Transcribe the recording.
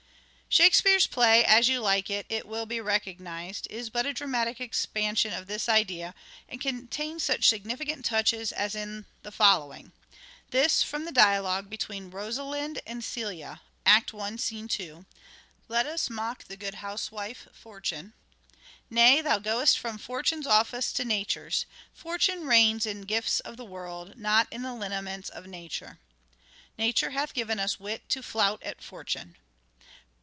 LYRIC POETRY OF EDWARD DE VERE 197 Shakespeare's play, "As You Like It," it will be recog nized, is but a dramatic expansion of this idea, and contains such significant touches as the following :— This from the dialogue between Rosalind and Celia (Act I. s. 2) :—" Let us mock the good housewife Fortune." " Nay now thou goest from Fortune's office to Nature's : Fortune reigns in gifts of the world, not in the lineaments of Nature." " Nature hath given us wit to flout at Fortune."